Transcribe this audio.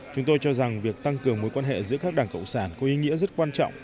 chúng tôi cho rằng việc tăng cường mối quan hệ giữa các đảng cộng sản có ý nghĩa rất quan trọng